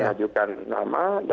yang terakhir pak sandi dari saya